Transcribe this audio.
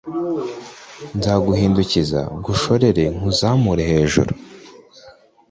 nzaguhindukiza ngushorere nkuzamure hejuru